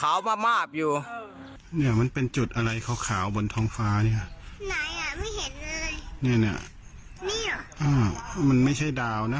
อ่ะไม่เห็นเลยนี่อ่ะอ้าวมันไม่ใช่ดาวนะ